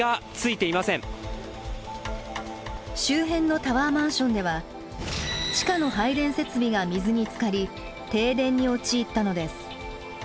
周辺のタワーマンションでは地下の配電設備が水につかり停電に陥ったのです。